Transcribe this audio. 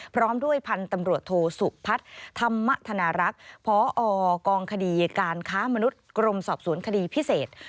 พร้อมด้วยพันธุ์ตำรวจโทสุพัฒน์ธรรมธนารักษ์พอกองคดีการค้ามนุษย์กรมสอบสวนคดีพิเศษ